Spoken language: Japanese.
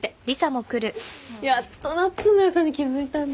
やっとなっつんの良さに気付いたんだ。